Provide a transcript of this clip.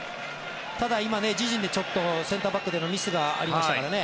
ただ、今、自陣でセンターバックのミスがありましたからね。